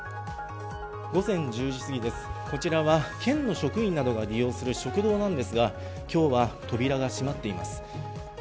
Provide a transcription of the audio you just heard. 午前１０時すぎです、こちらは県の職員などが利用する食堂ですが今日は扉が閉まっています。